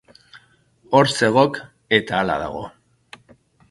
Hor zegok... eta hala dago.